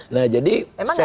nah jadi sesnek